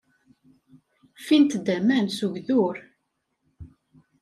Ffint-d aman s ugdur.